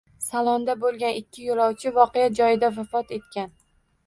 Salonda bo‘lgan ikki yo‘lovchi voqea joyida vafot etgan